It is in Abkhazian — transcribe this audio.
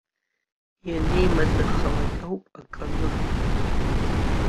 Ианеимадахалак ауп акы анырҳәо.